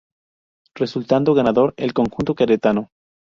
Resultando ganador el conjunto queretano.